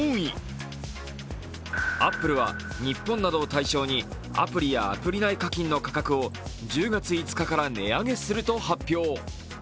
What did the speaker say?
アップルは日本などを対象にアプリやアプリ内課金の価格を１０月５日から値上げすると発表。